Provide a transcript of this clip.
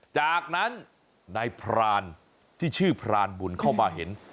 จากนั้นนายพรานที่ชื่อพรานบุญเข้ามาเห็น